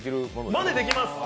まねできます。